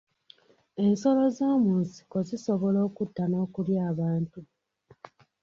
Ensolo z'omu nsiko zisobola okutta n'okulya abantu.